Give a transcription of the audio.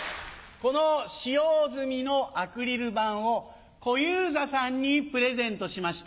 この使用済みのアクリル板を小遊三さんにプレゼントしました。